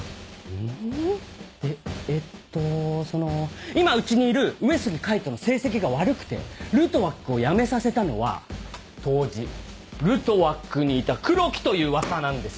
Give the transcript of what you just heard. ん？でえっとその今うちにいる上杉海斗の成績が悪くてルトワックをやめさせたのは当時ルトワックにいた黒木という噂なんです。